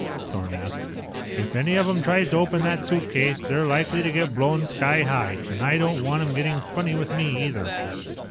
Thorn asked. "If any of 'em tries to open that suitcase, they're likely to get blown sky high. And I don't want 'em getting funny with me, either."